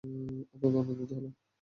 অত্যন্ত আনন্দিত হল।